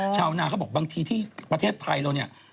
ชาวนาเขาบอกบางทีที่ประเทศไทยเราเนี่ย